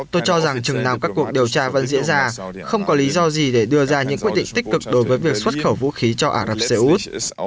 tôi cho rằng chừng nào các cuộc điều tra vẫn diễn ra không có lý do gì để đưa ra những quyết định tích cực đối với việc xuất khẩu vũ khí cho ả rập xê út